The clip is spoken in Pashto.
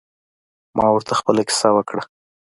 ما ورته خپله کیسه وکړه.